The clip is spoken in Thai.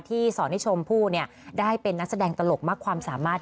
สอนให้ชมพู่ได้เป็นนักแสดงตลกมากความสามารถ